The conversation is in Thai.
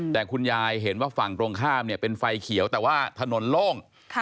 แต่คุณยายเห็นว่าฝั่งตรงข้ามเนี่ยเป็นไฟเขียวแต่ว่าถนนโล่ง